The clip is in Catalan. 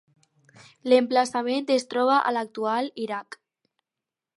L'emplaçament es troba a l'actual Iraq.